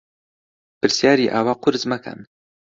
پرسیاری ئاوا قورس مەکەن.